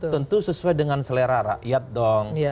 tentu sesuai dengan selera rakyat dong